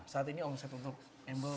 saat ini omset untuk embel berapa